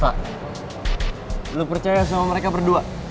pak lo percaya sama mereka berdua